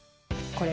これ？